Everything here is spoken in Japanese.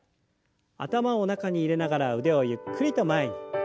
頭を中に入れながら腕をゆっくりと前に。